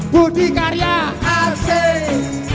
budi karya asik